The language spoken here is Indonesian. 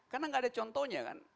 karena gak ada contohnya kan